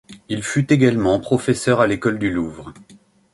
Il fut également professeur à l'École du Louvre.